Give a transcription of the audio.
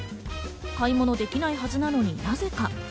買い物できないはずなのに、なぜか？